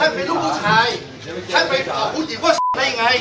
ถ้าไปบอกผู้จิตว่าอะไรยังไง